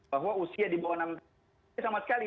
bahwa usia di bawah enam tahun sama sekali